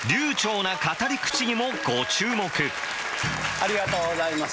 ありがとうございます。